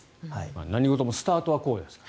何事もスタートはこうです。